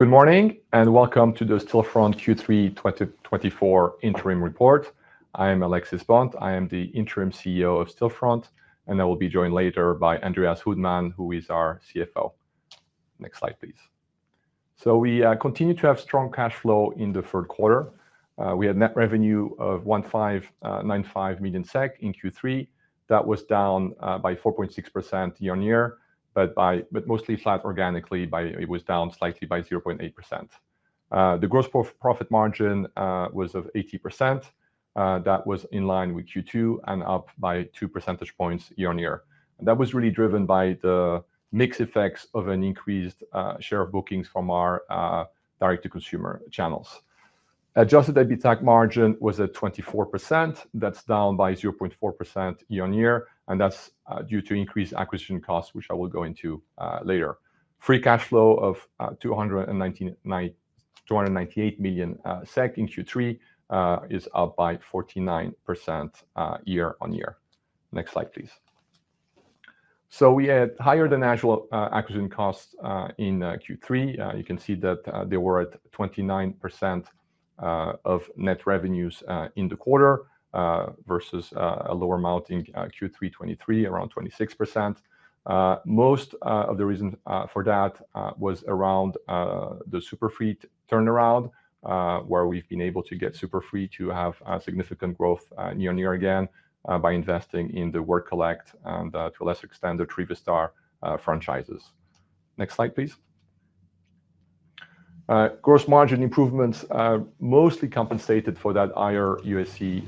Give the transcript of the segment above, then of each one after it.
Good morning, and welcome to the Stillfront Q3 2024 interim report. I am Alexis Bonte. I am the interim CEO of Stillfront, and I will be joined later by Andreas Uddman, who is our CFO. Next slide, please. So we continue to have strong cash flow in the third quarter. We had net revenue of 159.5 million SEK in Q3. That was down by 4.6% year-on-year, but mostly flat organically; it was down slightly by 0.8%. The gross profit margin was of 80%, that was in line with Q2 and up by two percentage points year-on-year. And that was really driven by the mix effects of an increased share of bookings from our direct-to-consumer channels. Adjusted EBITDA margin was at 24%. That's down by 0.4% year-on-year, and that's due to increased acquisition costs, which I will go into later. Free Cash Flow of 298 million SEK in Q3 is up by 49% year-on-year. Next slide, please. We had higher than usual acquisition costs in Q3. You can see that they were at 29% of net revenues in the quarter versus a lower amount in Q3 2023, around 26%. Most of the reason for that was around the Super Free turnaround, where we've been able to get Super Free to have significant growth year-on-year again by investing in the Word Collect, and to a lesser extent, the Trivia Star franchises. Next slide, please. Gross margin improvements mostly compensated for that higher UAC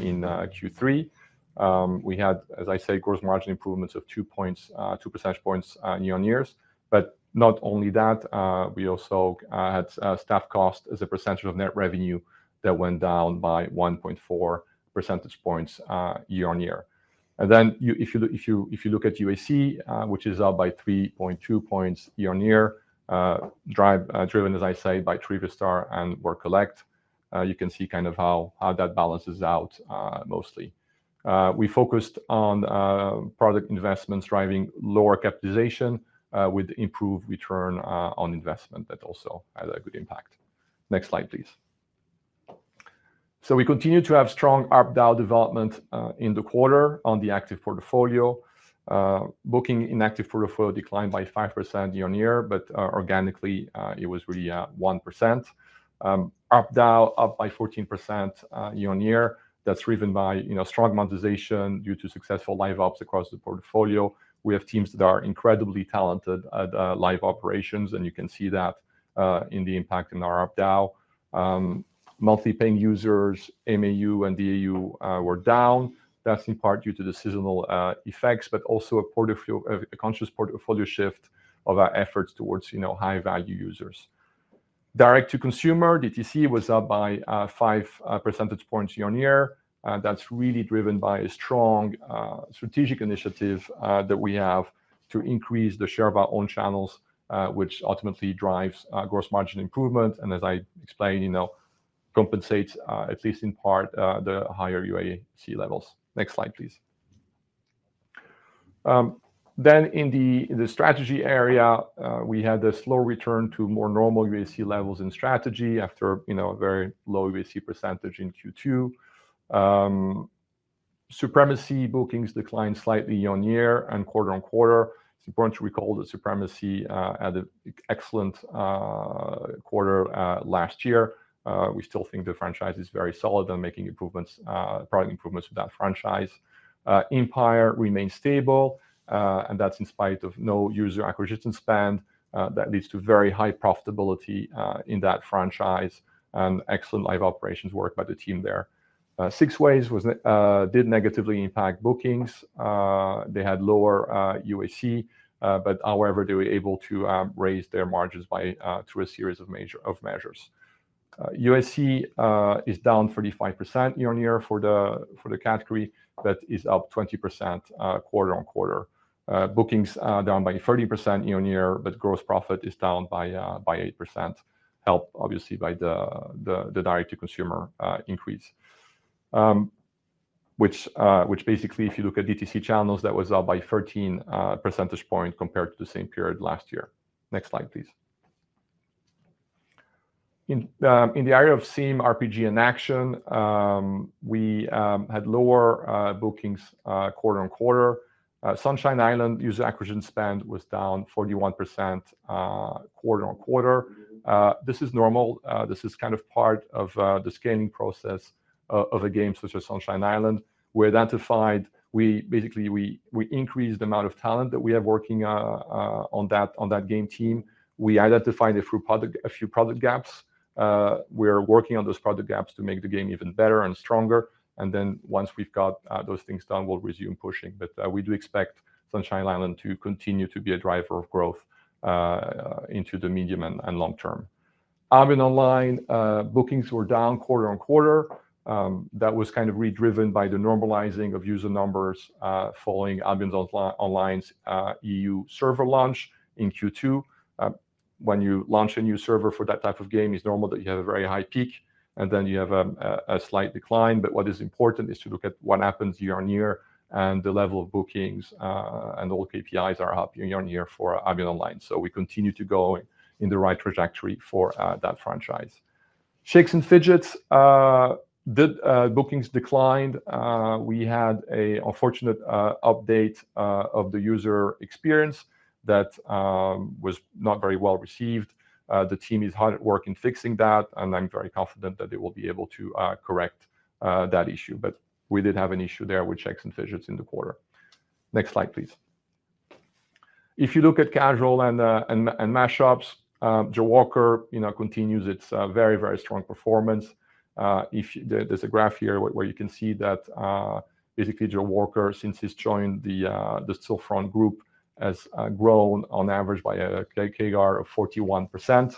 in Q3. We had, as I said, gross margin improvements of two points, two percentage points, year-on-year. But not only that, we also had staff cost as a percentage of net revenue that went down by one point four percentage points, year-on-year. And then if you look at UAC, which is up by three point two points year-on-year, driven, as I say, by Trivia Star and Word Collect, you can see kind of how that balances out, mostly. We focused on product investments driving lower capitalization with improved return on investment. That also had a good impact. Next slide, please. We continue to have strong ARPDAU development in the quarter on the active portfolio. Bookings in active portfolio declined by 5% year-on-year, but organically it was really at 1%. ARPDAU up by 14% year-on-year. That's driven by, you know, strong monetization due to successful live ops across the portfolio. We have teams that are incredibly talented at live operations, and you can see that in the impact in our ARPDAU. Monthly paying users, MAU and DAU, were down. That's in part due to the seasonal effects, but also a conscious portfolio shift of our efforts towards, you know, high-value users. Direct-to-consumer, DTC, was up by five percentage points year-on-year. That's really driven by a strong strategic initiative that we have to increase the share of our own channels, which ultimately drives gross margin improvement, and as I explained, you know, compensates at least in part the higher UAC levels. Next slide, please. Then in the strategy area, we had a slow return to more normal UAC levels in strategy after, you know, a very low UAC percentage in Q2. Supremacy bookings declined slightly year-on-year and quarter on quarter. It's important to recall that Supremacy had an excellent quarter last year. We still think the franchise is very solid and making improvements, product improvements with that franchise. Empire remains stable, and that's in spite of no user acquisition spend. That leads to very high profitability in that franchise and excellent live operations work by the team there. 6waves negatively impacted bookings. They had lower UAC, but however, they were able to raise their margins through a series of major measures. UAC is down 35% year-on-year for the category, but is up 20% quarter on quarter. Bookings are down by 30% year-on-year, but gross profit is down by 8%. Helped, obviously, by the direct-to-consumer increase. Which basically, if you look at DTC channels, that was up by 13 percentage points compared to the same period last year. Next slide, please. In the area of Sim, RPG and Action, we had lower bookings quarter on quarter. Sunshine Island user acquisition spend was down 41% quarter on quarter. This is normal. This is kind of part of the scaling process of a game such as Sunshine Island. Basically, we increased the amount of talent that we have working on that game team. We identified a few product gaps. We're working on those product gaps to make the game even better and stronger, and then once we've got those things done, we'll resume pushing, but we do expect Sunshine Island to continue to be a driver of growth into the medium and long term. Albion Online bookings were down quarter on quarter. That was kind of really driven by the normalizing of user numbers following Albion's online EU server launch in Q2. When you launch a new server for that type of game, it's normal that you have a very high peak and then you have a slight decline, but what is important is to look at what happens year on year, and the level of bookings and all KPIs are up year on year for Albion Online's, so we continue to go in the right trajectory for that franchise. Shakes & Fidget, the bookings declined. We had an unfortunate update of the user experience that was not very well received. The team is hard at work in fixing that, and I'm very confident that they will be able to correct that issue. But we did have an issue there with Shakes & Fidget in the quarter. Next slide, please. If you look at casual and Mashup, Jawaker, you know, continues its very, very strong performance. If there, there's a graph here where you can see that, basically, Jawaker, since he's joined the Stillfront Group, has grown on average by a CAGR of 41%.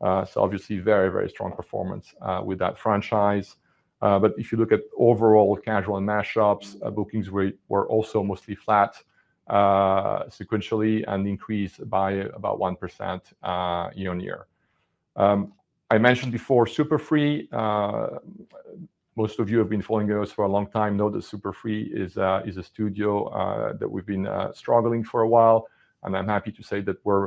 So obviously, very, very strong performance with that franchise. But if you look at overall casual and match ups, bookings were also mostly flat sequentially, and increased by about 1% year on year. I mentioned before Super Free. Most of you have been following us for a long time know that Super Free is a studio that we've been struggling for a while. And I'm happy to say that we're,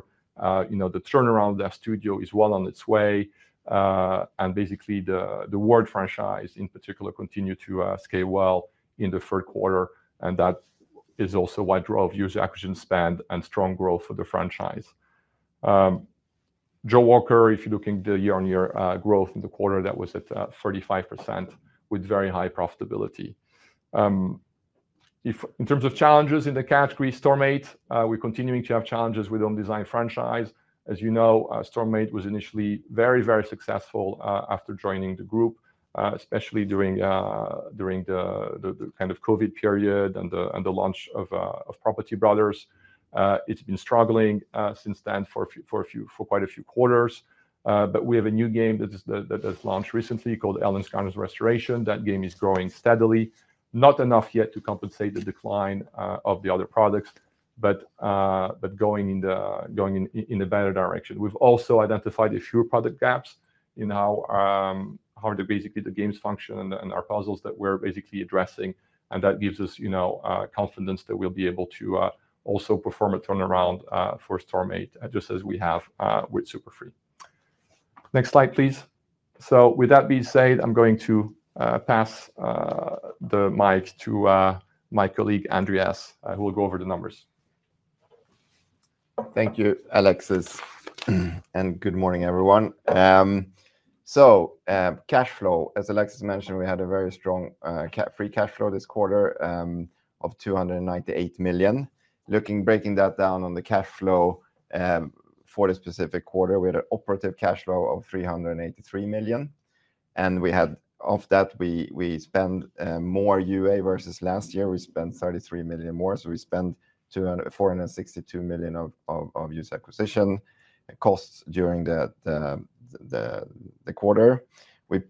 you know, the turnaround of that studio is well on its way. And basically, the Word franchise in particular continued to scale well in the third quarter, and that is also why drove user acquisition spend and strong growth for the franchise. Jawaker, if you're looking at the year-on-year growth in the quarter, that was at 35% with very high profitability. In terms of challenges in the category, Storm8, we're continuing to have challenges with Home Design franchise. As you know, Storm8 was initially very, very successful after joining the group, especially during the kind of COVID period and the launch of Property Brothers. It's been struggling since then for quite a few quarters. But we have a new game that has launched recently called Ellen's Garden Restoration. That game is growing steadily, not enough yet to compensate the decline of the other products, but going in a better direction. We've also identified a few product gaps in how basically the games function and our puzzles that we're basically addressing, and that gives us, you know, confidence that we'll be able to also perform a turnaround for Storm8, just as we have with Super Free. Next slide, please. With that being said, I'm going to pass the mic to my colleague, Andreas, who will go over the numbers. Thank you, Alexis, and good morning, everyone. Cash flow, as Alexis mentioned, we had a very strong free cash flow this quarter of 298 million SEK. Breaking that down on the cash flow for the specific quarter, we had an operating cash flow of 383 million SEK. Of that, we spent more UA versus last year. We spent 33 million SEK more, so we spent 462 million SEK of user acquisition costs during the quarter.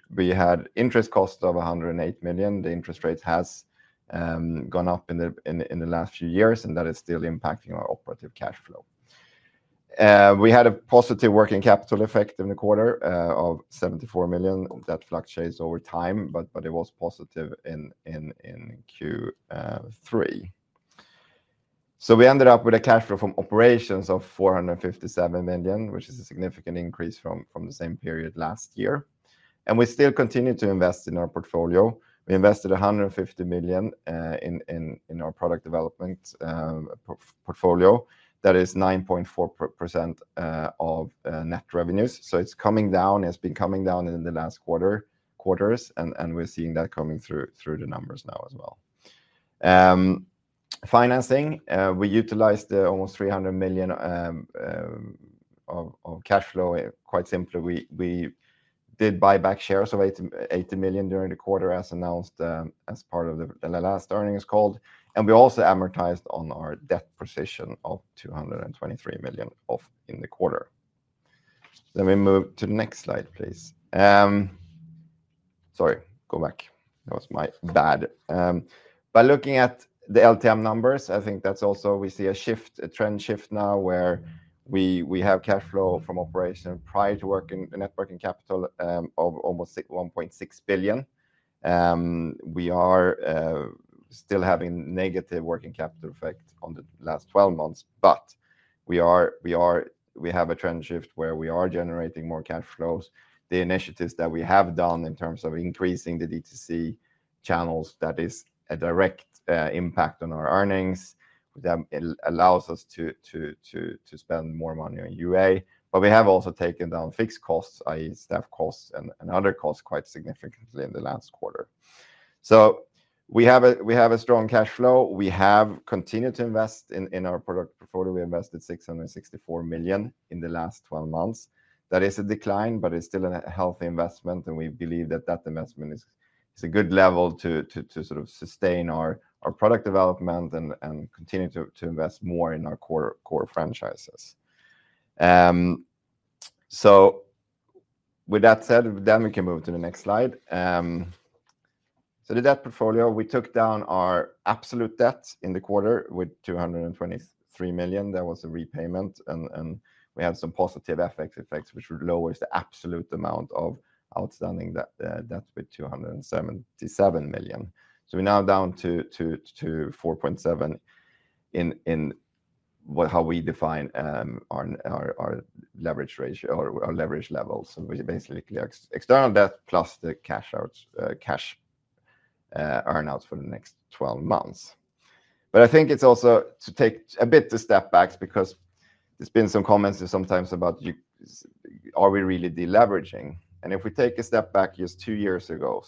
We had interest costs of 108 million SEK. The interest rate has gone up in the last few years, and that is still impacting our operating cash flow. We had a positive working capital effect in the quarter of 74 million. That fluctuates over time, but it was positive in Q3. So we ended up with a cash flow from operations of 457 million, which is a significant increase from the same period last year, and we still continued to invest in our portfolio. We invested 150 million in our product development portfolio. That is 9.4% of net revenues. So it's coming down. It's been coming down in the last quarters, and we're seeing that coming through the numbers now as well. Financing, we utilized almost 300 million of cash flow. Quite simply, we did buy back shares of 80 million during the quarter, as announced in the last earnings call, and we also amortized on our debt prepayment of 223 million in the quarter. Let me move to the next slide, please. Sorry, go back. That was my bad. By looking at the LTM numbers, I think that's also. We see a shift, a trend shift now, where we have cash flow from operations prior to changes in the net working capital of almost 1.6 billion. We are still having negative working capital effect on the last twelve months, but we have a trend shift where we are generating more cash flows. The initiatives that we have done in terms of increasing the D2C channels, that is a direct impact on our earnings. That allows us to spend more money on UA, but we have also taken down fixed costs, i.e., staff costs and other costs, quite significantly in the last quarter. So we have a strong cash flow. We have continued to invest in our product portfolio. We invested 664 million in the last twelve months. That is a decline, but it's still a healthy investment, and we believe that that investment is a good level to sort of sustain our product development and continue to invest more in our core franchises. So with that said, then we can move to the next slide. The debt portfolio, we took down our absolute debt in the quarter with 223 million. There was a repayment, and we had some positive effects which lowers the absolute amount of outstanding debt with 277 million. So we're now down to 4.7 in what we define as our leverage ratio or our leverage levels, which is basically external debt plus the cash earn-outs for the next twelve months. But I think it's also good to take a step back, because there's been some comments sometimes about you know, are we really deleveraging? And if we take a step back, just two years ago,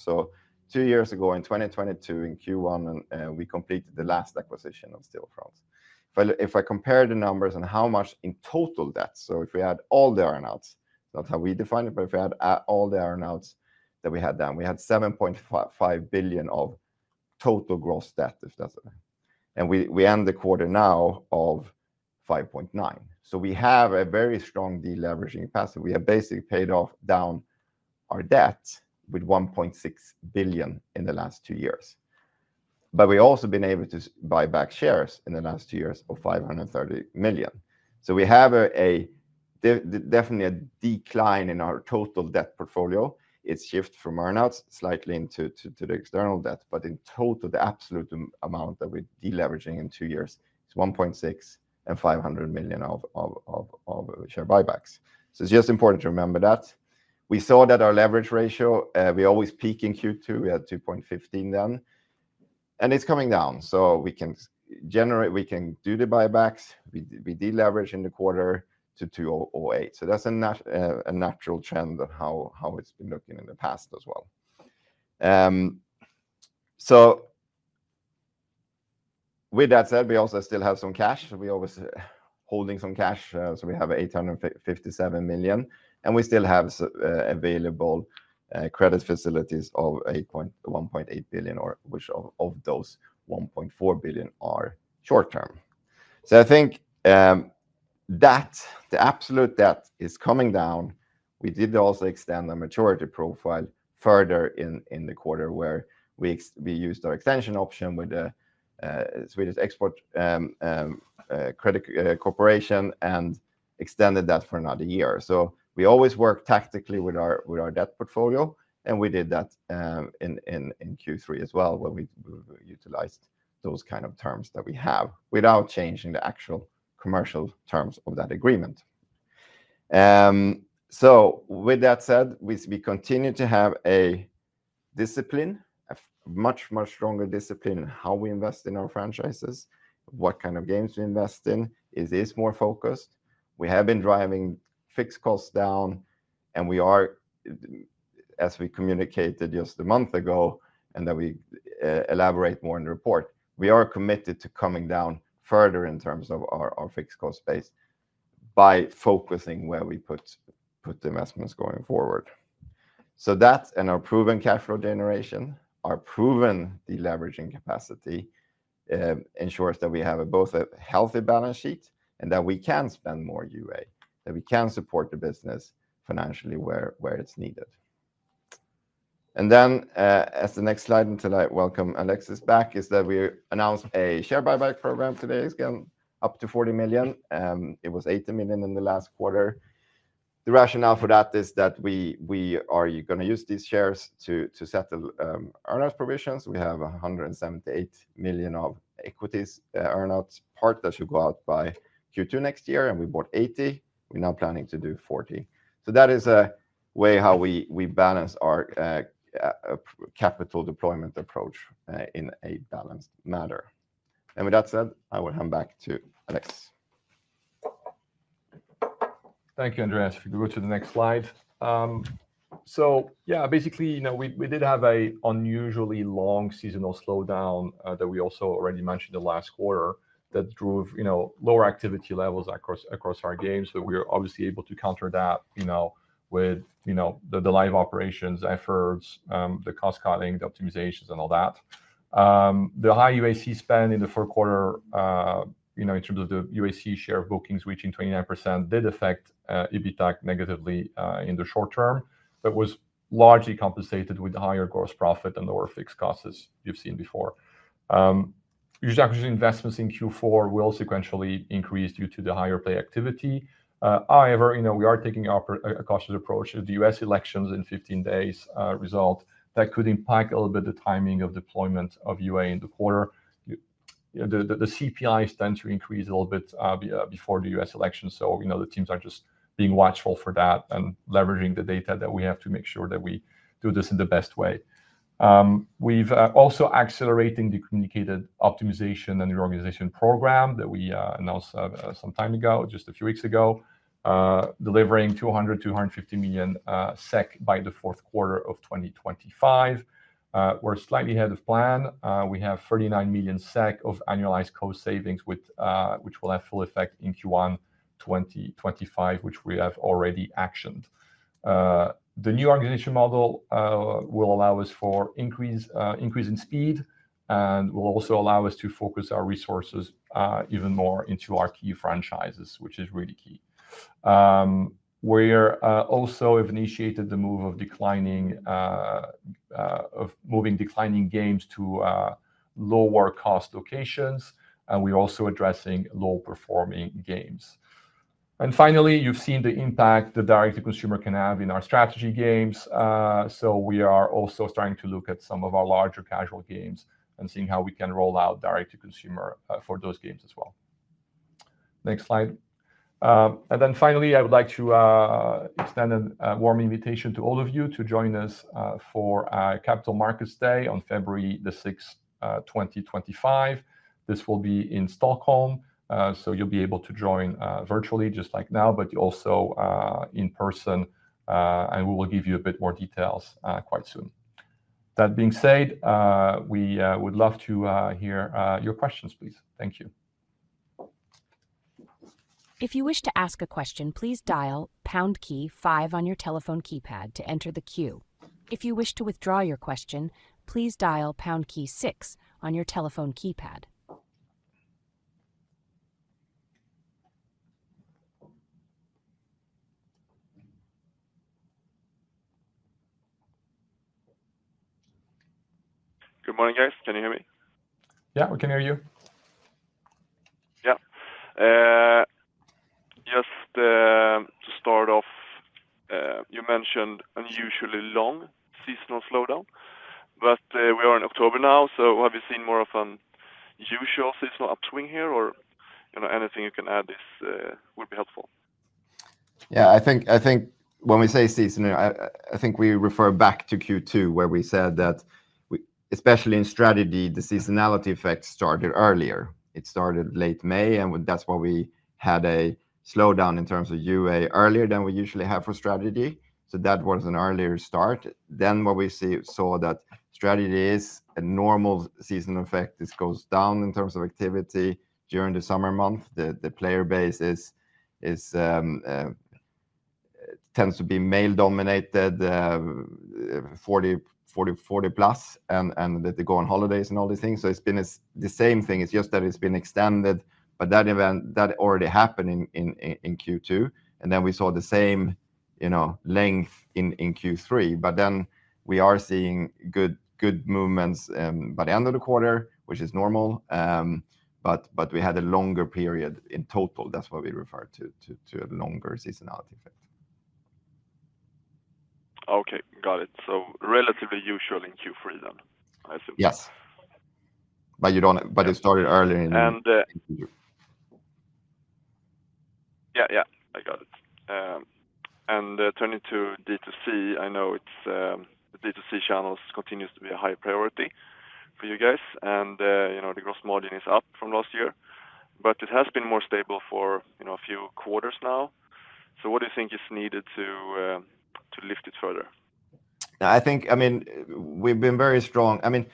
in 2022, in Q1, we completed the last acquisition of Stillfront. If I compare the numbers on how much in total debt, so if we add all the earn-outs, that's how we define it, but if we add all the earn-outs that we had done, we had 7.5 billion of total gross debt, if that's it. And we end the quarter now of 5.9 billion. So we have a very strong deleveraging capacity. We have basically paid off down our debt with 1.6 billion in the last two years, but we've also been able to buy back shares in the last two years of 530 million. So we have definitely a decline in our total debt portfolio. It's shifted from earn-outs slightly into the external debt, but in total, the absolute amount that we're deleveraging in two years is 1.6 and 500 million of share buybacks. So it's just important to remember that. We saw that our leverage ratio. We always peak in Q2. We had 2.15 then, and it's coming down, so we can do the buybacks. We deleverage in the quarter to 2.08. So that's a natural trend of how it's been looking in the past as well. So with that said, we also still have some cash. We always holding some cash, so we have 857 million, and we still have available credit facilities of 1.8 billion, of which 1.4 billion are short term. So I think that the absolute debt is coming down. We did also extend the maturity profile further in the quarter, where we used our extension option with the Swedish Export Credit Corporation and extended that for another year. So we always work tactically with our debt portfolio, and we did that in Q3 as well, where we utilized those kind of terms that we have without changing the actual commercial terms of that agreement. So with that said, we continue to have a much stronger discipline in how we invest in our franchises. What kind of games we invest in, it is more focused. We have been driving fixed costs down, and we are, as we communicated just a month ago, and that we elaborate more in the report, we are committed to coming down further in terms of our fixed cost base by focusing where we put the investments going forward. So that and our proven cash flow generation, our proven deleveraging capacity, ensures that we have both a healthy balance sheet and that we can spend more UA, that we can support the business financially where it's needed. And then, as the next slide, and now, welcome Alexis back, is that we announced a share buyback program today, again, up to 40 million. It was 80 million in the last quarter. The rationale for that is that we are gonna use these shares to settle earn-outs provisions. We have 178 million of equities earn-outs, part that should go out by Q2 next year, and we bought 80. We are now planning to do 40. So that is a way how we balance our capital deployment approach in a balanced manner. And with that said, I will hand back to Alexis. Thank you, Andreas. If you go to the next slide. So yeah, basically, you know, we did have an unusually long seasonal slowdown that we also already mentioned the last quarter that drove, you know, lower activity levels across our games. But we are obviously able to counter that, you know, with you know the live operations efforts, the cost cutting, the optimizations and all that. The high UA spend in the fourth quarter, you know, in terms of the UA share of bookings, reaching 29%, did affect EBITDA negatively in the short term, but was largely compensated with the higher gross profit and lower fixed costs, as you've seen before. User acquisition investments in Q4 will sequentially increase due to the higher play activity. However, you know, we are taking a cautious approach of the U.S. elections in 15 days, result that could impact a little bit the timing of deployment of UA in the quarter. The CPI tends to increase a little bit before the U.S. election, so, you know, the teams are just being watchful for that and leveraging the data that we have to make sure that we do this in the best way. We've also accelerating the communicated optimization and the reorganization program that we announced some time ago, just a few weeks ago, delivering 250 million SEK by the fourth quarter of 2025. We're slightly ahead of plan. We have 39 million SEK of annualized cost savings, which will have full effect in Q1 2025, which we have already actioned. The new organization model will allow us for increase, increase in speed and will also allow us to focus our resources even more into our key franchises, which is really key. We're also have initiated the move of declining games to lower cost locations, and we're also addressing low performing games. And finally, you've seen the impact the direct to consumer can have in our strategy games. So we are also starting to look at some of our larger casual games and seeing how we can roll out direct to consumer for those games as well. Next slide. And then finally, I would like to extend a warm invitation to all of you to join us for our Capital Markets Day on February 6, 2025. This will be in Stockholm, so you'll be able to join virtually just like now, but also in person. And we will give you a bit more details quite soon. That being said, we would love to hear your questions, please. Thank you. If you wish to ask a question, please dial pound key five on your telephone keypad to enter the queue. If you wish to withdraw your question, please dial pound key six on your telephone keypad. Good morning, guys. Can you hear me? Yeah, we can hear you. Yeah. Just to start off, you mentioned unusually long seasonal slowdown, but we are in October now, so have you seen more of a usual seasonal upswing here, or, you know, anything you can add this would be helpful? Yeah, I think when we say seasonal, I think we refer back to Q2, where we said that we especially in strategy, the seasonality effect started earlier. It started late May, and that's why we had a slowdown in terms of UA earlier than we usually have for strategy. So that was an earlier start. Then what we saw that strategy is a normal seasonal effect. This goes down in terms of activity during the summer month. The player base tends to be male-dominated, forty plus, and that they go on holidays and all these things. So it's been the same thing, it's just that it's been extended. But that event that already happened in Q2, and then we saw the same, you know, length in Q3, but then we are seeing good movements by the end of the quarter, which is normal. But we had a longer period in total. That's what we referred to a longer seasonality effect. Okay, got it. So relatively usual in Q3 then, I suppose? Yes. But you don't- Yeah. But it started earlier in- And, uh- Q2. Yeah, yeah, I got it, and turning to D2C, I know it's the D2C channels continues to be a high priority for you guys, and you know, the gross margin is up from last year, but it has been more stable for you know, a few quarters now. So what do you think is needed to lift it further? I think, I mean, we've been very strong. I mean,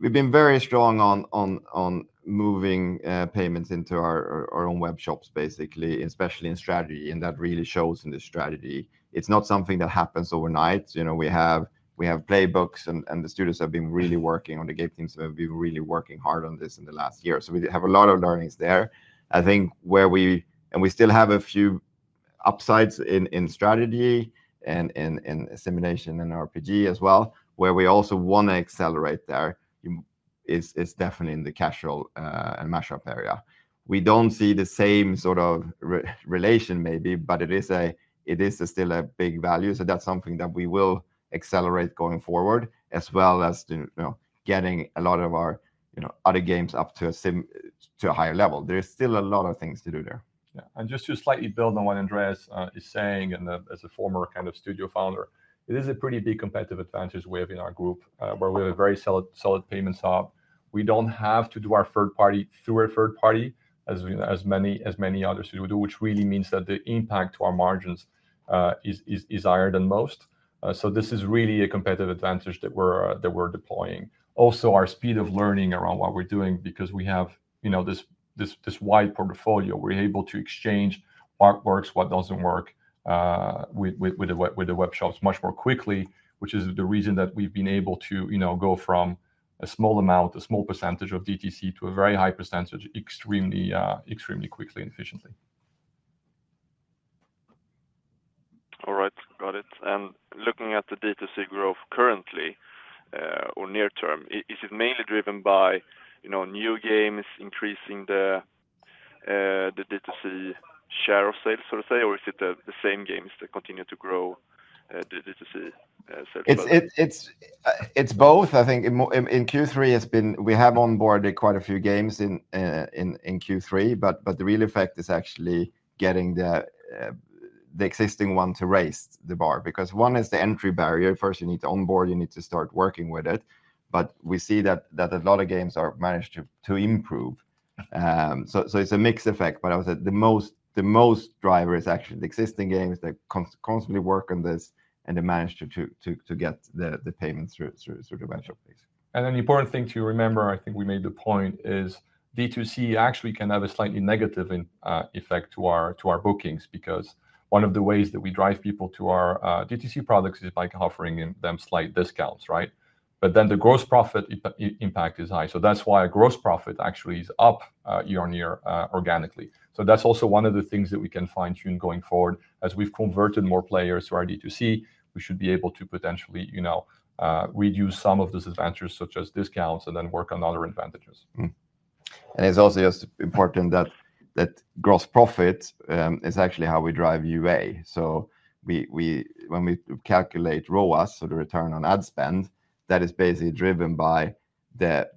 we've been very strong on moving payments into our own web shops basically, especially in strategy, and that really shows in the strategy. It's not something that happens overnight. You know, we have playbooks, and the studios have been really working on the game teams, have been really working hard on this in the last year. So we have a lot of learnings there. I think where we and we still have a few upsides in strategy and simulation and RPG as well, where we also want to accelerate there, is definitely in the casual and mashup area. We don't see the same sort of correlation maybe, but it is still a big value. So that's something that we will accelerate going forward, as well as, you know, getting a lot of our, you know, other games up to a higher level. There is still a lot of things to do there. Yeah, and just to slightly build on what Andreas is saying, and as a former kind of studio founder, it is a pretty big competitive advantage we have in our group, where we have a very solid payment shop. We don't have to do our third party through a third party as many others do, which really means that the impact to our margins is higher than most. So this is really a competitive advantage that we're deploying. Also, our speed of learning around what we're doing, because we have, you know, this wide portfolio, we're able to exchange what works, what doesn't work, with the webshops much more quickly, which is the reason that we've been able to, you know, go from a small amount, a small percentage of DTC to a very high percentage, extremely, extremely quickly and efficiently. All right, got it. And looking at the DTC growth currently, or near term, is it mainly driven by, you know, new games, increasing the DTC share of sales, so to say, or is it the same games that continue to grow the DTC sales? It's both. I think in Q3, we have onboarded quite a few games in Q3, but the real effect is actually getting the existing one to raise the bar, because one is the entry barrier. First you need to onboard, you need to start working with it. But we see that a lot of games are managed to improve. So it's a mixed effect, but I would say the most driver is actually the existing games that constantly work on this, and they manage to get the payment through the webshop place. And then the important thing to remember, I think we made the point, is D2C actually can have a slightly negative effect to our bookings, because one of the ways that we drive people to our D2C products is by offering them slight discounts, right? But then the gross profit impact is high. So that's why our gross profit actually is up year-on-year organically. So that's also one of the things that we can fine-tune going forward. As we've converted more players to our D2C, we should be able to potentially, you know, reduce some of these advantages, such as discounts, and then work on other advantages. Mm-hmm. And it's also just important that gross profit is actually how we drive UA. So we, when we calculate ROAS, so the return on ad spend, that is basically driven by the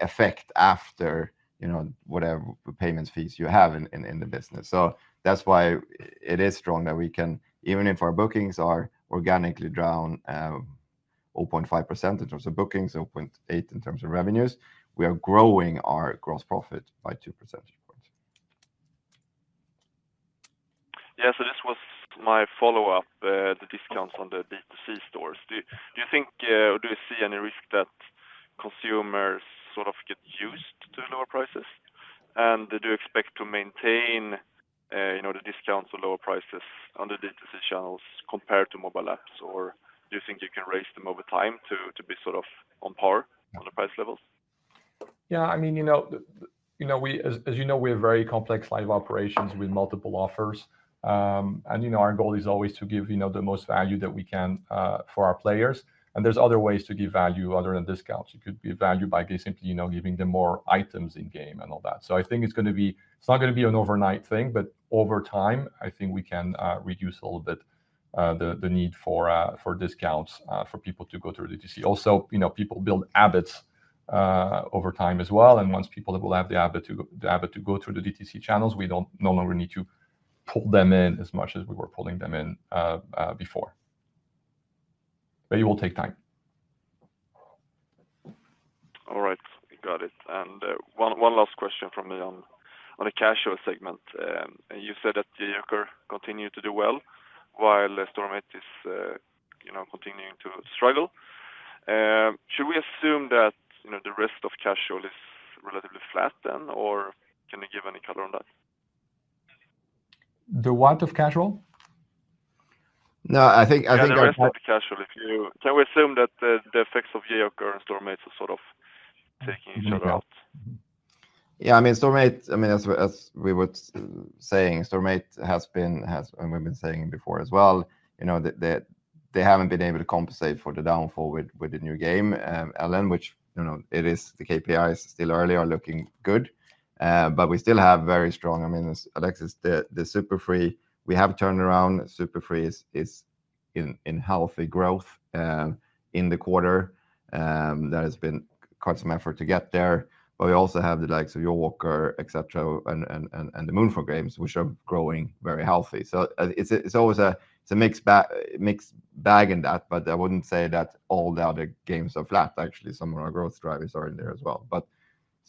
effect after, you know, whatever payments fees you have in the business. So that's why it is strong that we can, even if our bookings are organically down 0.5% in terms of bookings, or 0.8% in terms of revenues, we are growing our gross profit by two percentage points. Yeah, so this was my follow-up, the discounts on the D2C stores. Do you think, or do you see any risk that consumers sort of get used to lower prices? And do you expect to maintain, you know, the discounts or lower prices on the D2C channels compared to mobile apps, or do you think you can raise them over time to be sort of on par on the price levels? Yeah, I mean, you know, as you know, we have a very complex live operations with multiple offers, and you know, our goal is always to give, you know, the most value that we can for our players, and there's other ways to give value other than discounts. It could be value by simply, you know, giving them more items in game and all that. So I think it's not gonna be an overnight thing, but over time, I think we can reduce a little bit the need for discounts for people to go through D2C. Also, you know, people build habits over time as well, and once people will have the habit to go through the D2C channels, we don't no longer need to pull them in as much as we were pulling them in before. But it will take time. All right, got it. And one last question from me on the casual segment. You said that the Jawaker continued to do well, while Storm8 is, you know, continuing to struggle. Should we assume that, you know, the rest of casual is relatively flat then, or can you give any color on that? The what of casual? No, I think- The rest of the casual, can we assume that the effects of Jawaker and Storm8 are sort of taking each other out? Yeah, I mean, Storm8, I mean, as we were saying, Storm8 has been and we've been saying before as well, you know, that they haven't been able to compensate for the downfall with the new game, Ellen, which, you know, it is the KPIs still early are looking good. But we still have very strong. I mean, as Alexis, the Super Free, we have turned around. Super Free is in healthy growth in the quarter. That has been quite some effort to get there, but we also have the likes of Jawaker, et cetera, and the Moonfrog Games, which are growing very healthy. So it's always a mixed bag in that, but I wouldn't say that all the other games are flat. Actually, some of our growth drivers are in there as well.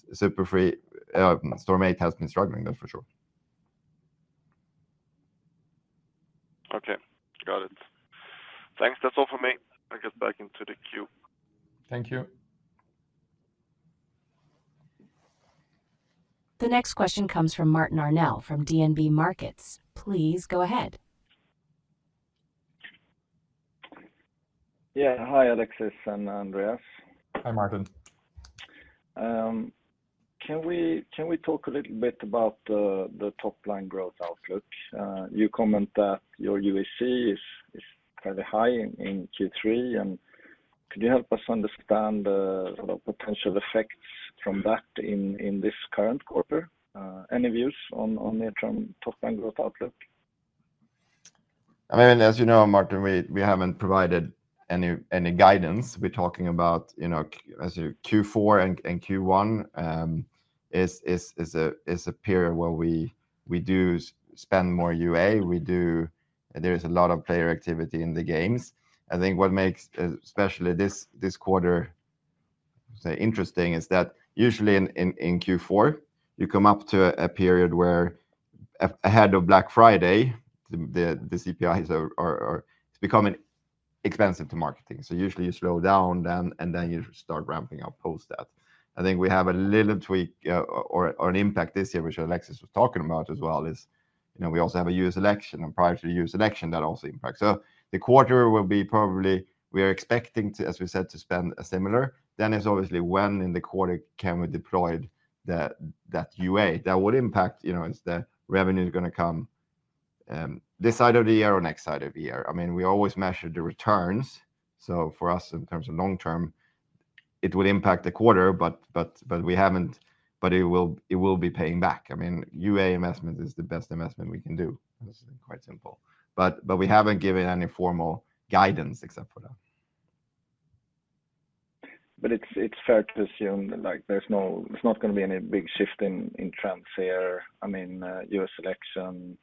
But Super Free, Storm8 has been struggling, that's for sure. Okay, got it. Thanks. That's all for me. I'll get back into the queue. Thank you. The next question comes from Martin Arnell from DNB Markets. Please go ahead. Yeah. Hi, Alexis and Andreas. Hi, Martin. Can we talk a little bit about the top line growth outlook? You comment that your UAC is fairly high in Q3, and could you help us understand the sort of potential effects from that in this current quarter? Any views on the term top line growth outlook? I mean, as you know, Martin, we haven't provided any guidance. We're talking about, you know, as Q4 and Q1 is a period where we do spend more UA. We do. There is a lot of player activity in the games. I think what makes, especially this quarter, say, interesting, is that usually in Q4, you come up to a period where ahead of Black Friday, the CPIs are becoming expensive to marketing. So usually you slow down then, and then you start ramping up post that. I think we have a little tweak or an impact this year, which Alexis was talking about as well, is, you know, we also have a U.S. election, and prior to the U.S. election, that also impacts. So the quarter will be probably. We are expecting to, as we said, to spend a similar. Then it's obviously when in the quarter can we deploy that UA. That would impact, you know, is the revenue gonna come this side of the year or next side of the year? I mean, we always measure the returns, so for us, in terms of long term, it will impact the quarter, but we haven't. But it will be paying back. I mean, UA investment is the best investment we can do. It's quite simple. But we haven't given any formal guidance except for that. But it's fair to assume that, like, there's not gonna be any big shift in trends here, I mean, U.S. election?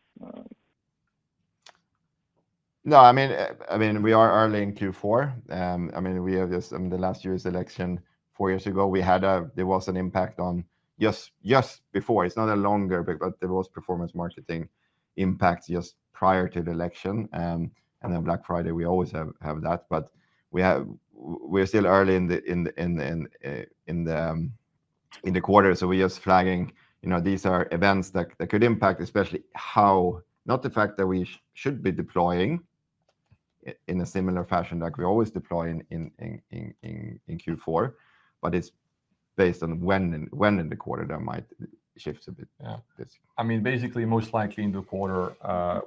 No, I mean, we are early in Q4. I mean, we have this, I mean, the last year's election, four years ago, there was an impact just before. It's not longer, but there was performance marketing impact just prior to the election. And then Black Friday, we always have that, but we're still early in the quarter, so we're just flagging, you know, these are events that could impact, especially how, not the fact that we should be deploying in a similar fashion like we always deploy in Q4, but it's based on when in the quarter there might shift a bit. Yeah, this- I mean, basically, most likely in the quarter,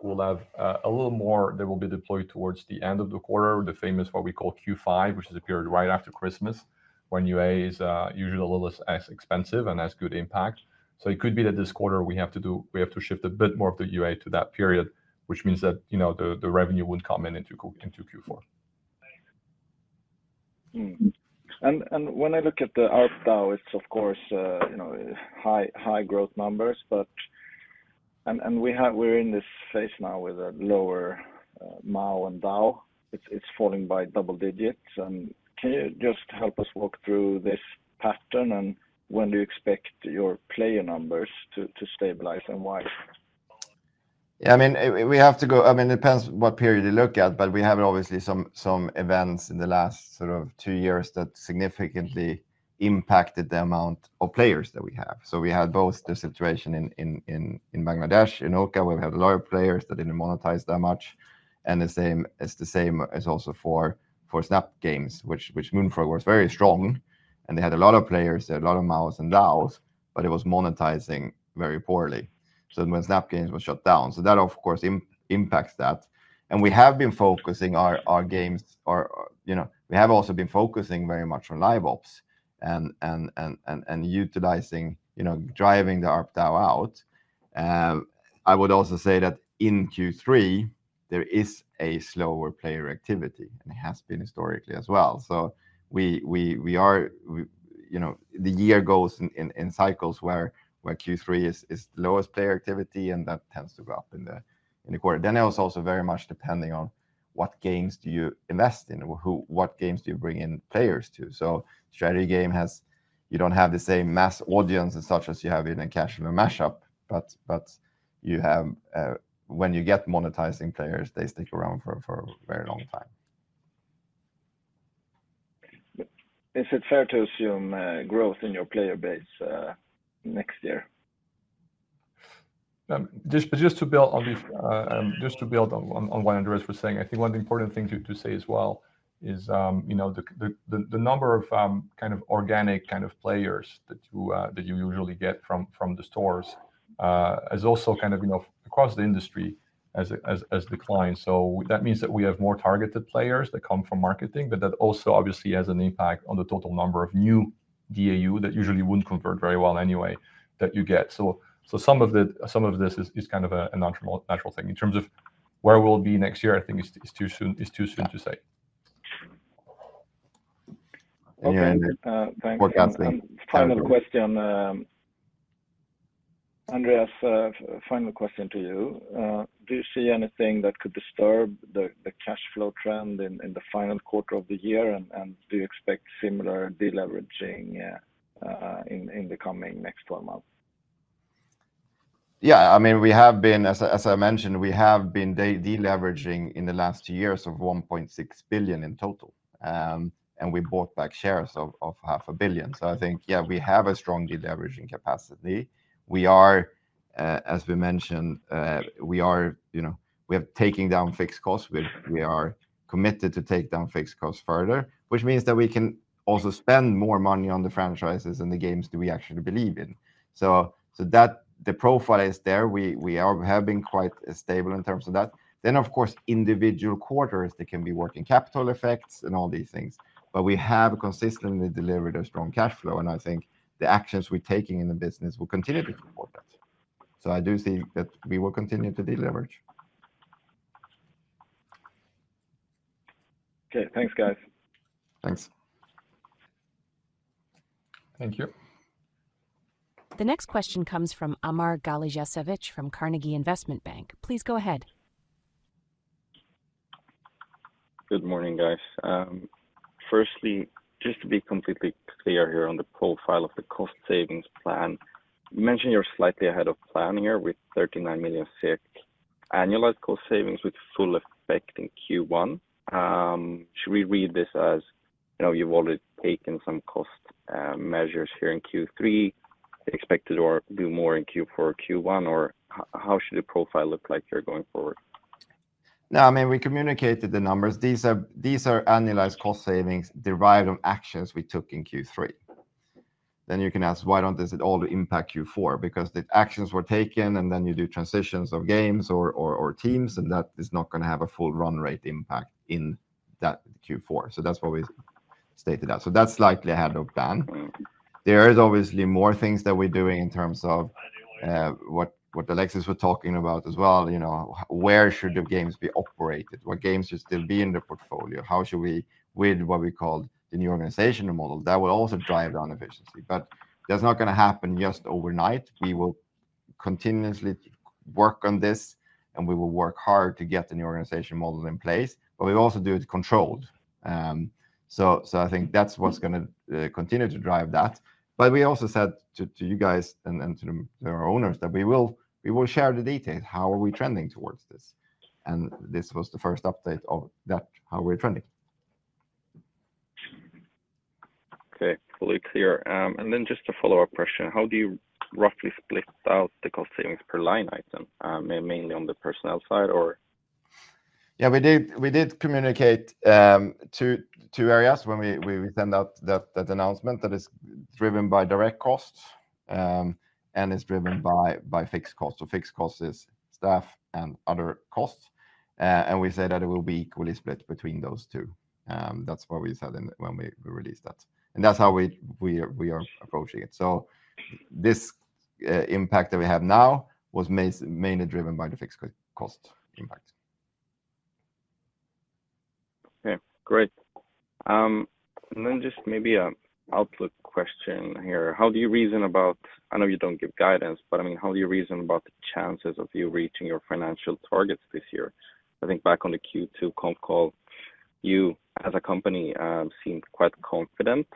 we'll have a little more that will be deployed towards the end of the quarter, the famous what we call Q5, which is a period right after Christmas, when UA is usually a little less expensive and has good impact. So it could be that this quarter we have to shift a bit more of the UA to that period, which means that, you know, the revenue would come in into Q4. Mm-hmm. And when I look at the ARPDAU, it's of course, you know, high, high growth numbers, but... And we're in this phase now with a lower MAU and DAU. It's falling by double digits. And can you just help us walk through this pattern, and when do you expect your player numbers to stabilize, and why? Yeah, I mean, it depends what period you look at, but we have obviously some events in the last sort of two years that significantly impacted the amount of players that we have. So we had both the situation in Bangladesh, in Ulka, where we had a lot of players that didn't monetize that much, and the same also for Snap Games, which Moonfrog was very strong, and they had a lot of players, they had a lot of MAUs and DAUs, but it was monetizing very poorly. So when Snap Games was shut down, so that, of course, impacts that. And we have been focusing our games, or, you know, we have also been focusing very much on LiveOps and utilizing, you know, driving the ARPDAU out. I would also say that in Q3, there is a slower player activity, and it has been historically as well. So we are, you know, the year goes in cycles where Q3 is the lowest player activity, and that tends to go up in the quarter. Then it was also very much depending on what games do you invest in, or what games do you bring in players to? Strategy game has, you don't have the same mass audience such as you have in a casual mashup, but you have, when you get monetizing players, they stick around for a very long time. Is it fair to assume growth in your player base next year? Just to build on what Andreas was saying, I think one of the important things to say as well is, you know, the number of kind of organic players that you usually get from the stores is also kind of, you know, across the industry has declined. So that means that we have more targeted players that come from marketing, but that also obviously has an impact on the total number of new DAU that usually wouldn't convert very well anyway, that you get. So some of this is kind of a natural thing. In terms of where we'll be next year, I think it's too soon to say. Yeah, and, forecasting- Final question, Andreas, final question to you. Do you see anything that could disturb the cash flow trend in the final quarter of the year? And do you expect similar deleveraging in the coming next twelve months? Yeah, I mean, we have been, as I mentioned, we have been deleveraging in the last years of 1.6 billion in total. And we bought back shares of 500 million. So I think, yeah, we have a strong deleveraging capacity. We are, as we mentioned, we are, you know, we have taking down fixed costs, which we are committed to take down fixed costs further, which means that we can also spend more money on the franchises and the games that we actually believe in. So, so that, the profile is there. We have been quite stable in terms of that. Then, of course, individual quarters, there can be working capital effects and all these things, but we have consistently delivered a strong cash flow, and I think the actions we're taking in the business will continue to support that. So I do see that we will continue to deleverage. Okay. Thanks, guys. Thanks. Thank you. The next question comes from Amar Galijasevic from Carnegie Investment Bank. Please go ahead. Good morning, guys. Firstly, just to be completely clear here on the profile of the cost savings plan, you mentioned you're slightly ahead of plan here with 39 million SEK annualized cost savings with full effect in Q1. Should we read this as, you know, you've already taken some cost measures here in Q3, expected or do more in Q4, Q1, or how should the profile look like here going forward? No, I mean, we communicated the numbers. These are annualized cost savings derived on actions we took in Q3. Then you can ask, why don't this at all impact Q4? Because the actions were taken, and then you do transitions of games or teams, and that is not gonna have a full run rate impact in that Q4. So that's why we stated that. So that's slightly ahead of plan. There is obviously more things that we're doing in terms of what Alexis was talking about as well, you know, where should the games be operated? What games should still be in the portfolio? How should we build what we call the new organizational model? That will also drive down efficiency, but that's not gonna happen just overnight. We will continuously work on this, and we will work hard to get the new organization model in place, but we also do it controlled. So I think that's what's gonna continue to drive that. But we also said to you guys and to the owners that we will share the details, how are we trending towards this? And this was the first update of that, how we're trending.... Okay, fully clear. And then just a follow-up question: How do you roughly split out the cost savings per line item? Mainly on the personnel side, or? Yeah, we did communicate two areas when we sent out that announcement that is driven by direct costs and is driven by fixed costs. So fixed costs is staff and other costs. And we said that it will be equally split between those two. That's what we said when we released that, and that's how we are approaching it. So this impact that we have now was mainly driven by the fixed cost impact. Okay, great. And then just maybe an outlook question here. How do you reason about—I know you don't give guidance, but, I mean, how do you reason about the chances of you reaching your financial targets this year? I think back on the Q2 Conference Call, you, as a company, seemed quite confident,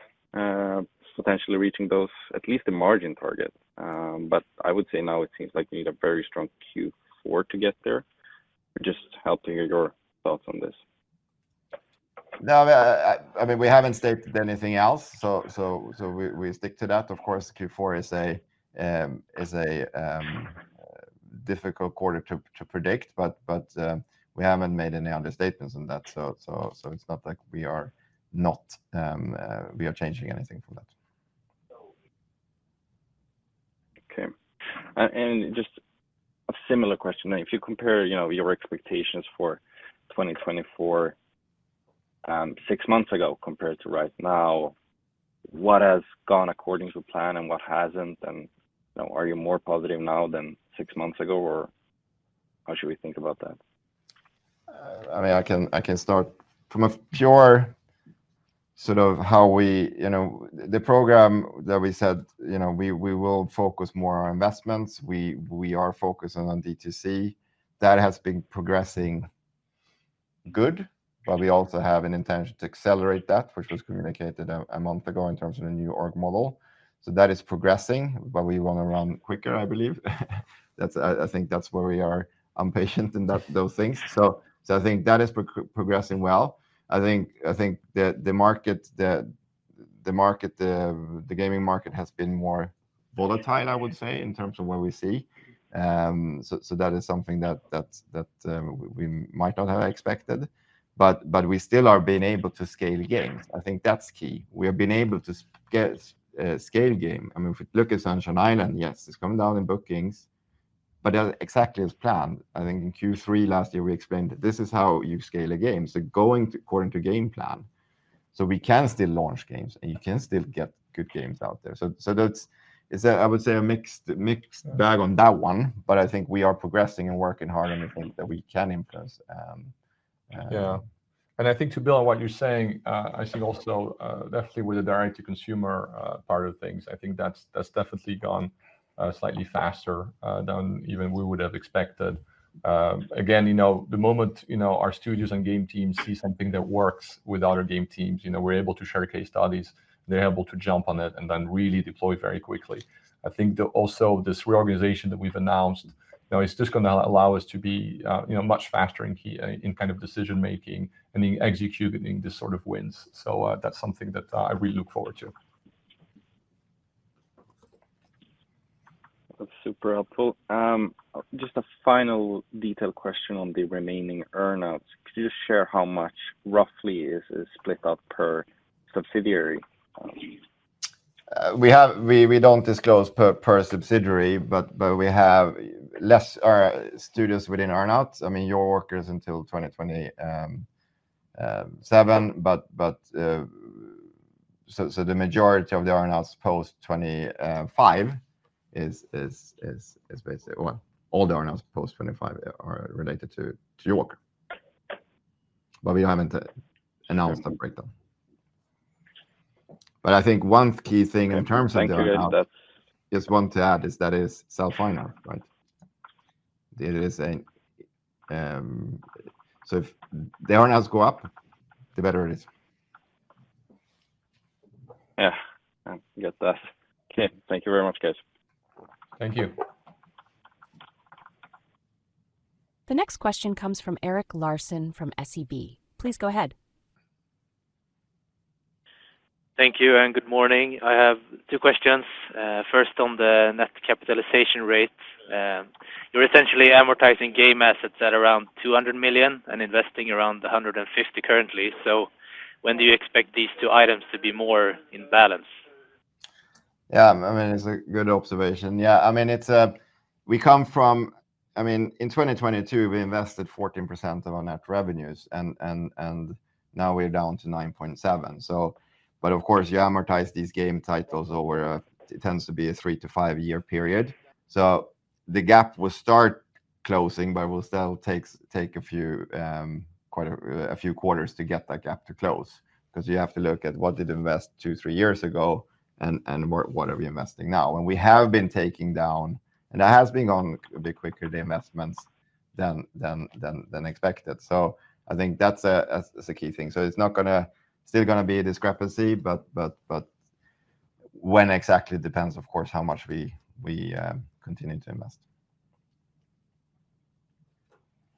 potentially reaching those, at least the margin target. But I would say now it seems like you need a very strong Q4 to get there. Just your thoughts on this. No, I mean, we haven't stated anything else, so we stick to that. Of course, Q4 is a difficult quarter to predict, but we haven't made any other statements on that. So it's not like we are changing anything from that. Okay. And just a similar question, if you compare, you know, your expectations for twenty twenty-four, six months ago compared to right now, what has gone according to plan and what hasn't? And, you know, are you more positive now than six months ago, or how should we think about that? I mean, I can start. From a pure sort of how we... You know, the program that we said, you know, we will focus more on investments. We are focusing on DTC. That has been progressing good, but we also have an intention to accelerate that, which was communicated a month ago in terms of the new org model. So that is progressing, but we want to run quicker, I believe. That's, I think that's where we are impatient in that, those things. So I think that is progressing well. I think the market, the gaming market has been more volatile, I would say, in terms of what we see. So that is something that we might not have expected, but we still are being able to scale games. I think that's key. We have been able to get scale game. I mean, if we look at Sunshine Island, yes, it's coming down in bookings, but exactly as planned. I think in Q3 last year, we explained that this is how you scale a game, so going according to game plan. So we can still launch games, and you can still get good games out there. So that's it, I would say, a mixed bag on that one, but I think we are progressing and working hard on the things that we can influence. Yeah. And I think to build on what you're saying, I see also definitely with the direct-to-consumer part of things, I think that's definitely gone slightly faster than even we would have expected. Again, you know, the moment you know, our studios and game teams see something that works with other game teams, you know, we're able to share case studies, they're able to jump on it and then really deploy very quickly. I think that also this reorganization that we've announced, you know, it's just gonna allow us to be you know much faster in key decision making and executing this sort of wins. So, that's something that I really look forward to. That's super helpful. Just a final detailed question on the remaining earn-outs. Could you just share how much roughly is split out per subsidiary? We don't disclose per subsidiary, but we have less studios within earn-outs. I mean, York is until 2027, but the majority of the earn-outs post 2025 is basically well, all the earn-outs post 2025 are related to Jawaker. But we haven't announced the breakdown. But I think one key thing in terms of the earn-out- Thank you... just one to add, is that it sells fine art, right? It is a... So if the earn-outs go up, the better it is. Yeah, I get that. Okay, thank you very much, guys. Thank you. The next question comes from Erik Larsson from SEB. Please go ahead. Thank you, and good morning. I have two questions. First, on the net capitalization rate. You're essentially amortizing game assets at around 200 and investing around 150 million currently. So when do you expect these two items to be more in balance? Yeah, I mean, it's a good observation. Yeah, I mean, it's we come from. I mean, in 2022, we invested 14% of our net revenues, and now we're down to 9.7%. So but of course, you amortize these game titles over a. It tends to be a three to five-year period. So the gap will start closing, but it will still take a few, quite a few quarters to get that gap to close. Because you have to look at what did invest two to three years ago and what are we investing now. And we have been taking down, and that has been going a bit quicker, the investments, than expected. So I think that's a key thing. So it's not gonna. Still gonna be a discrepancy, but when exactly depends, of course, how much we continue to invest....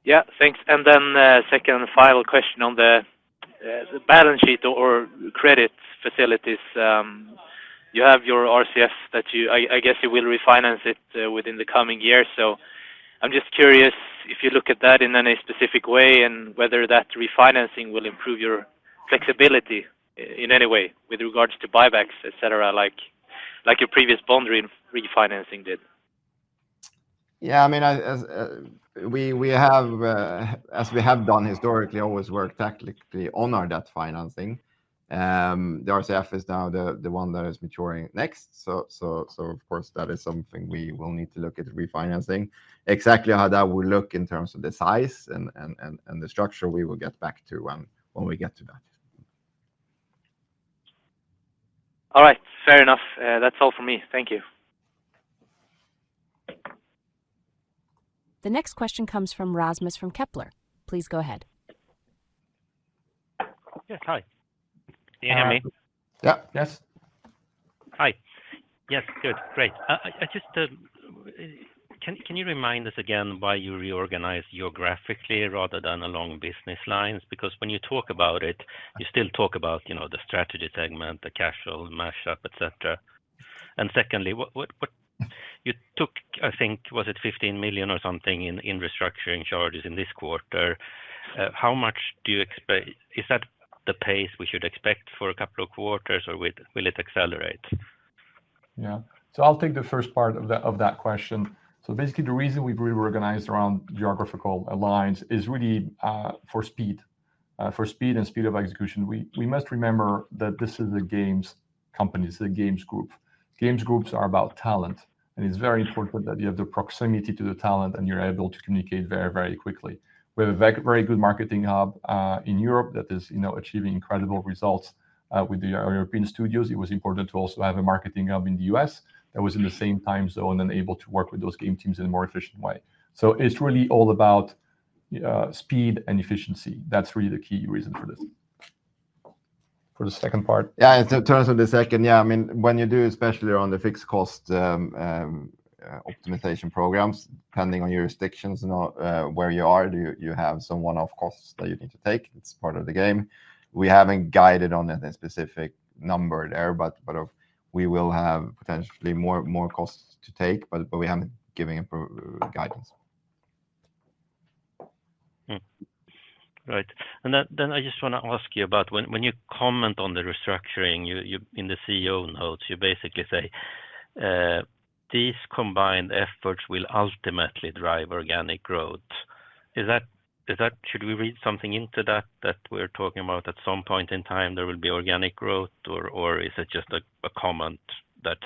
Yeah, thanks. And then, second and final question on the balance sheet or credit facilities. You have your RCF that I guess you will refinance it within the coming year. So I'm just curious if you look at that in any specific way, and whether that refinancing will improve your flexibility in any way with regards to buybacks, et cetera, like your previous bond refinancing did? Yeah, I mean, as we have done historically, always worked tactically on our debt financing. The RCF is now the one that is maturing next. So of course, that is something we will need to look at refinancing. Exactly how that will look in terms of the size and the structure, we will get back to when we get to that. All right. Fair enough. That's all for me. Thank you. The next question comes from Rasmus from Kepler. Please go ahead. Yes. Hi. Can you hear me? Yeah. Yes. Hi. Yes, good. Great. I just can you remind us again why you reorganized geographically rather than along business lines? Because when you talk about it, you still talk about, you know, the strategy segment, the cash flow, the mashup, et cetera. And secondly, what- Mm. You took, I think, was it 15 million or something in restructuring charges in this quarter? How much do you expect? Is that the pace we should expect for a couple of quarters, or will it accelerate? Yeah, so I'll take the first part of that question. So basically, the reason we've reorganized around geographical lines is really for speed and speed of execution. We must remember that this is a games company. It's a games group. Games groups are about talent, and it's very important that you have the proximity to the talent, and you're able to communicate very, very quickly. We have a very, very good marketing hub in Europe that is, you know, achieving incredible results with the European studios. It was important to also have a marketing hub in the U.S. that was in the same time zone and able to work with those game teams in a more efficient way, so it's really all about speed and efficiency. That's really the key reason for this. For the second part? Yeah, in terms of the second, yeah, I mean, when you do, especially on the fixed cost optimization programs, depending on your jurisdictions and where you are, you have some one-off costs that you need to take. It's part of the game. We haven't guided on any specific number there, but we will have potentially more costs to take, but we haven't given a proper guidance. Right. And then I just want to ask you about when you comment on the restructuring, you in the CEO notes, you basically say, "These combined efforts will ultimately drive organic growth." Is that... Should we read something into that, that we're talking about at some point in time there will be organic growth, or is it just a comment that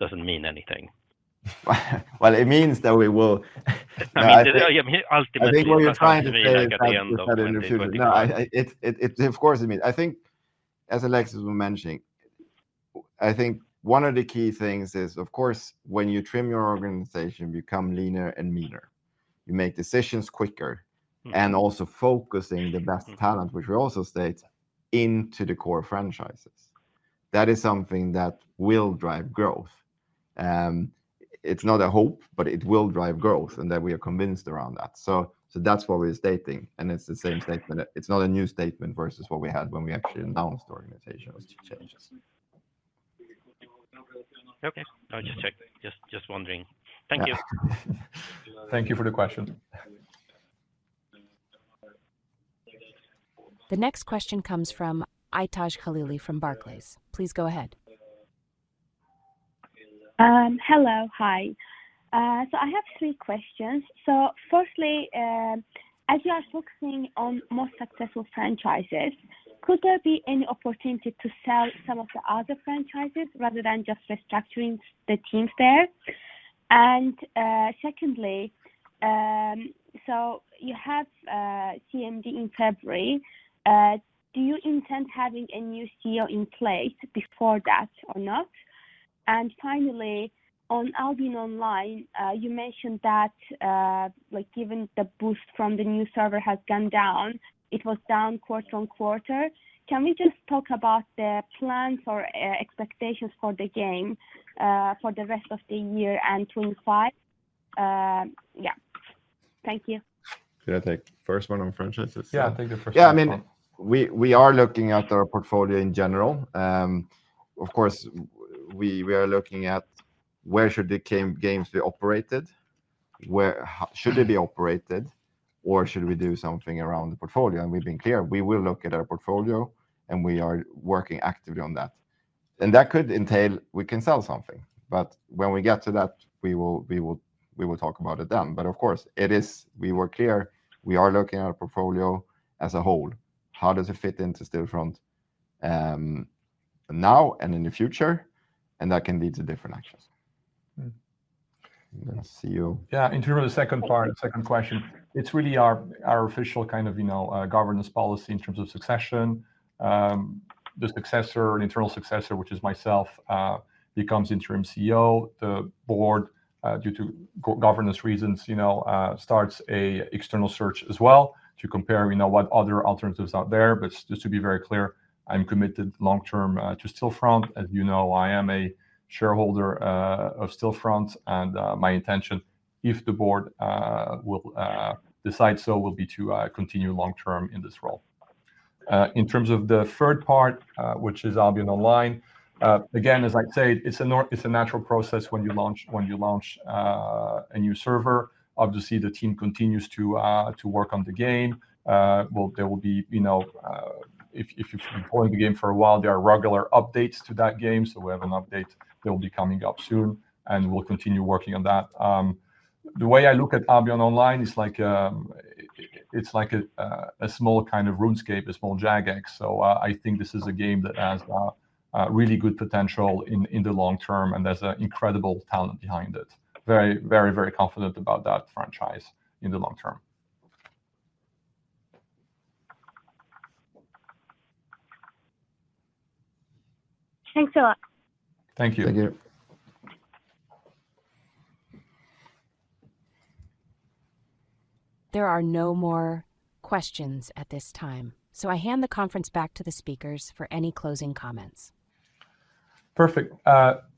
doesn't mean anything? It means that we will- I mean, yeah, ultimately- I think what we're trying to say at the end of the day. No, of course, it means. I think, as Alexis was mentioning, I think one of the key things is, of course, when you trim your organization, you become leaner and meaner. You make decisions quicker. Mm-hmm... and also focusing the best talent, which we also state into the core franchises. That is something that will drive growth. It's not a hope, but it will drive growth, and that we are convinced around that. So, so that's what we're stating, and it's the same statement. It's not a new statement versus what we had when we actually announced organization changes. Okay. I'll just check. Just wondering. Thank you. Thank you for the question. The next question comes from Aytaj Khalili from Barclays. Please go ahead. Hello. Hi. I have three questions. So firstly, as you are focusing on more successful franchises, could there be any opportunity to sell some of the other franchises rather than just restructuring the teams there? And, secondly, so you have, CMD in February, do you intend having a new CEO in place before that or not? And finally, on Albion Online, you mentioned that, like, given the boost from the new server has gone down, it was down quarter on quarter. Can we just talk about the plans or, expectations for the game, for the rest of the year and 2025? Yeah. Thank you. Should I take the first one on franchises? Yeah, take the first one. Yeah, I mean, we are looking at our portfolio in general. Of course, we are looking at where the games should be operated, or should we do something around the portfolio? And we've been clear, we will look at our portfolio, and we are working actively on that. And that could entail we can sell something, but when we get to that, we will talk about it then. But of course, it is. We were clear, we are looking at our portfolio as a whole. How does it fit into Stillfront now and in the future? And that can lead to different actions. Mm. Then CEO. Yeah, in terms of the second part, second question, it's really our official kind of, you know, governance policy in terms of succession. The successor, internal successor, which is myself, becomes Interim CEO. The board, due to governance reasons, you know, starts an external search as well to compare, you know, what other alternatives out there. But just to be very clear, I'm committed long-term to Stillfront. As you know, I am a shareholder of Stillfront, and my intention, if the board will decide so, will be to continue long-term in this role. In terms of the third part, which is Albion Online, again, as I'd say, it's a natural process when you launch a new server. Obviously, the team continues to work on the game. Well, there will be, you know, if you've been playing the game for a while, there are regular updates to that game, so we have an update that will be coming up soon, and we'll continue working on that. The way I look at Albion Online is like, it's like a small kind of RuneScape, a small Jagex. So, I think this is a game that has a really good potential in the long term, and there's an incredible talent behind it. Very, very, very confident about that franchise in the long term. Thanks a lot. Thank you. Thank you. There are no more questions at this time, so I hand the conference back to the speakers for any closing comments. Perfect.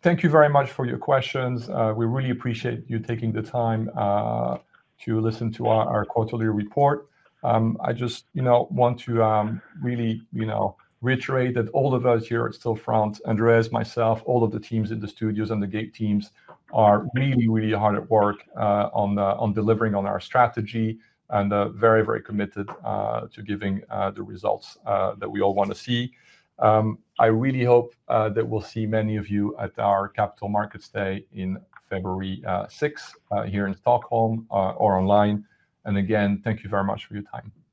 Thank you very much for your questions. We really appreciate you taking the time to listen to our quarterly report. I just, you know, want to really, you know, reiterate that all of us here at Stillfront, Andreas, myself, all of the teams in the studios and the Group teams are really, really hard at work on delivering on our strategy, and are very, very committed to giving the results that we all want to see. I really hope that we'll see many of you at our Capital Markets Day in February 6 here in Stockholm or online. And again, thank you very much for your time.